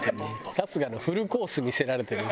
春日のフルコース見せられてる。